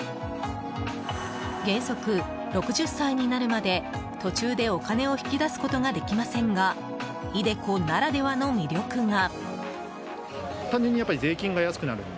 原則６０歳になるまで途中でお金を引き出すことができませんがｉＤｅＣｏならではの魅力が。